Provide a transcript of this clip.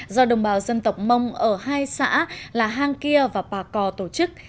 do đồng bào dân tộc mông ở hai xã là hang kia và bà cò tổ chức